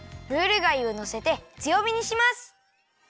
ムール貝をのせてつよびにします。